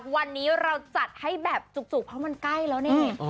วันนี้เราจัดให้แบบจุกเพราะมันใกล้แล้วนี่